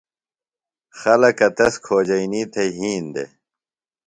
خلکہ تس کھوجئینی تھےۡ یِھین دےۡ۔